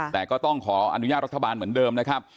แต่ก็ต้องขออนุญาตรัฐบาลเหมือนเดิมนะครับ